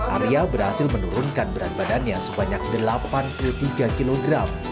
arya berhasil menurunkan berat badannya sebanyak delapan puluh tiga kg